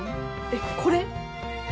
えっこれ？